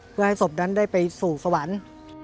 เพื่อให้ศพนั้นได้ไปสู่สวรรค์